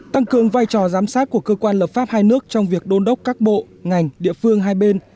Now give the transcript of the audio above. tăng cường vai trò giám sát của cơ quan lập pháp hai nước trong việc đôn đốc các bộ ngành địa phương hai bên